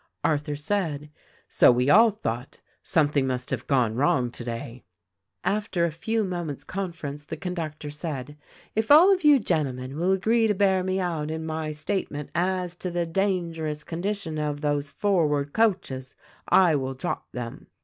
Arthur said, "So we all thought. Something must have gone wrong today." After a few moments' conference the conductor said, "If all of you gentlemen will agree to bear me out in my state ment as to the dangerous condition of those forward coaches I will drop them.